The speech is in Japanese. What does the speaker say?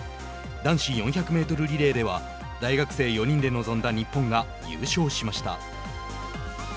男子４００メートルリレーでは大学生４人で臨んだ日本が優勝しました。